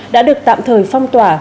đã được tạm thời phong tỏa